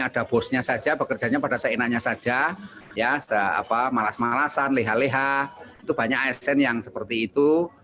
ada bosnya saja bekerjanya pada seenaknya saja malas malasan leha leha itu banyak asn yang seperti itu